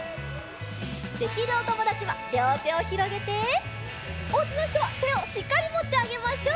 できるおともだちはりょうてをひろげておうちのひとはてをしっかりもってあげましょう！